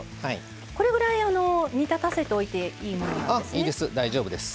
これぐらい煮立たせておいていいものなんですね。